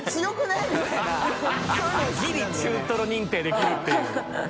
ギリ中トロ認定できるっていう。